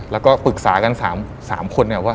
แล้วก็ปรึกษากัน๓คนเนี่ยว่า